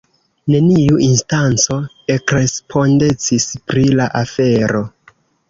Neniu instanco ekrespondecis pri la afero.